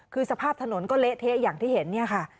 คือสภาพถนนก็เละเทะอย่างที่เห็น